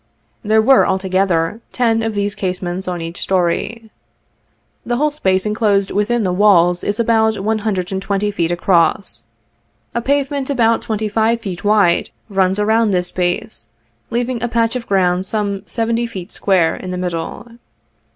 There are, altogether, ten of these casemates on each story. The whole space enclosed within the walls is about one hundred and twenty feet across. A pavement about twenty five feet wide runs around this space, leaving a patch of ground some seventy 18 feet square, in the middle.